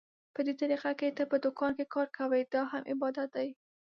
په دې طريقه که ته په دوکان کې کار کوې، دا هم عبادت دى.